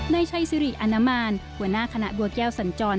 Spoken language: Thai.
นายชัยสิริอนามานหัวหน้าคณะบัวแก้วสัญจร